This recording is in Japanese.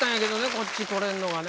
こっち来れんのがね。